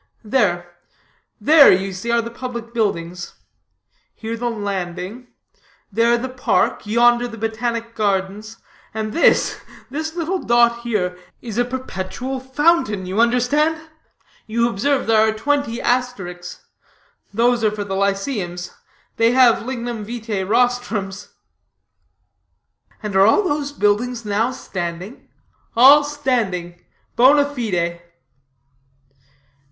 "There there, you see are the public buildings here the landing there the park yonder the botanic gardens and this, this little dot here, is a perpetual fountain, you understand. You observe there are twenty asterisks. Those are for the lyceums. They have lignum vitae rostrums." "And are all these buildings now standing?" "All standing bona fide."